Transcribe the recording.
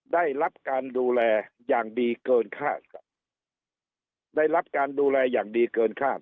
ได้รับการดูแลอย่างดีเกินคาดครับได้รับการดูแลอย่างดีเกินคาด